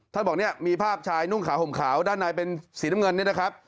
บอกเนี่ยมีภาพชายนุ่งขาวห่มขาวด้านในเป็นสีน้ำเงินนี่นะครับ